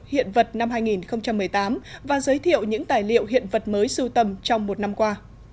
hiện vật năm hai nghìn một mươi tám và giới thiệu những tài liệu hiện vật mới siêu tầm trong một năm qua